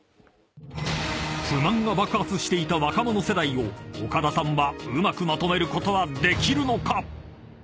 ［不満が爆発していた若者世代を岡田さんはうまくまとめることはできるのか？］